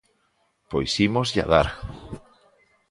Pois ímoslla dar!